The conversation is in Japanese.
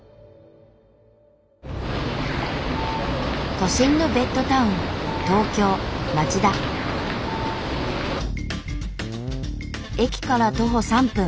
都心のベッドタウン駅から徒歩３分。